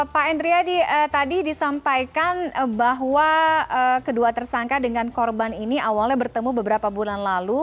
pak endriadi tadi disampaikan bahwa kedua tersangka dengan korban ini awalnya bertemu beberapa bulan lalu